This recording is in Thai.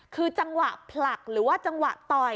คือจังหวะผลักหรือว่าจังหวะต่อย